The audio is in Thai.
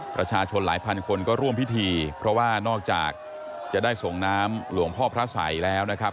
ประชาชนหลายพันคนก็ร่วมพิธีเพราะว่านอกจากจะได้ส่งน้ำหลวงพ่อพระสัยแล้วนะครับ